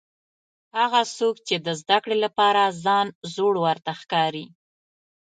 هغه څوک چې د زده کړې لپاره ځان زوړ ورته ښکاري.